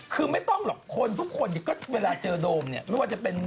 คือไม่ต้องหรอกคนทุกคนก็เวลาเจอโดมเนี่ยไม่ว่าจะเป็น